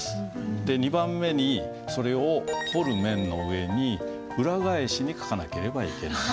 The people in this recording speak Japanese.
で２番目にそれを彫る面の上に裏返しに書かなければいけない。